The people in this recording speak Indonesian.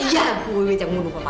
iya bu wiwi yang bunuh papa